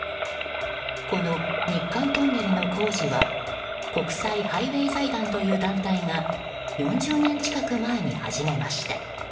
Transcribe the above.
この日韓トンネルの工事は国際ハイウェイ財団という団体が４０年近く前に始めました。